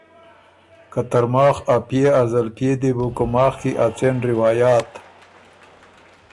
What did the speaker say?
که ترماخ ا پئے ا زلپئے دی بُو کُوماخ کی ا څېن روایات،